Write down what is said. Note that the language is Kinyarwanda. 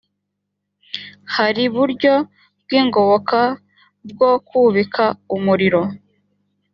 hari buryo bw’ingoboka bwo kubika umuriro